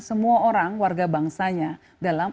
semua orang warga bangsanya dalam